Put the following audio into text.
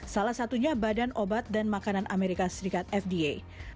salah satunya badan obat dan makanan amerika serikat fda